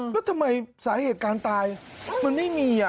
แล้วทำไมสาเหตุการณ์ตายมันไม่มี